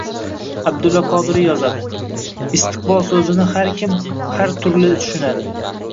Abdulla Qodiriy yozadi: “Istiqbol so’zini har kim har turli tushunadi.